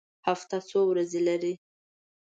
هفته څو ورځې لري؟